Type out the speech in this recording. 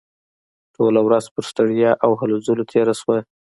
ټوله ورځ پر ستړیا او هلو ځلو تېره شوه